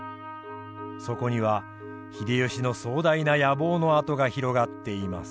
そこには秀吉の壮大な野望の跡が広がっています。